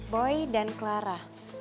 boy dan clara